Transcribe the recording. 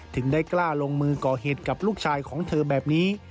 ถึงได้กล้าลงมือก่อเหตุกับลูกชายของเธอแบบนี้